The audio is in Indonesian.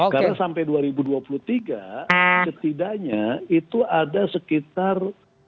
karena sampai dua ribu dua puluh tiga setidaknya itu ada sekitar